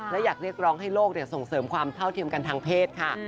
และอยากเรียกร้องให้โลกส่งเสริมความเท่าเทียมกันทางเพศค่ะ